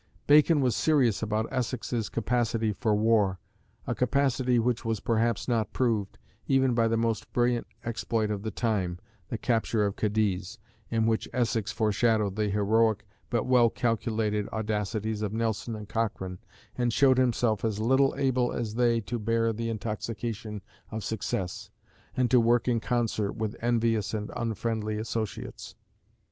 Bacon was nervous about Essex's capacity for war, a capacity which perhaps was not proved, even by the most brilliant exploit of the time, the capture of Cadiz, in which Essex foreshadowed the heroic but well calculated audacities of Nelson and Cochrane, and showed himself as little able as they to bear the intoxication of success, and to work in concert with envious and unfriendly associates.